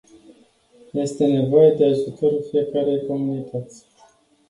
Este nevoie de ajutorul fiecărei comunități.